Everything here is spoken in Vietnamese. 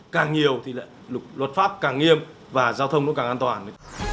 càng nhiều thì luật pháp càng nghiêm và giao thông nó càng an toàn